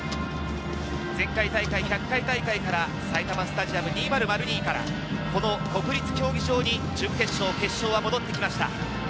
前回大会１００回大会から埼玉スタジアム２○○２から、この国立競技場に準決勝、決勝が戻ってきました。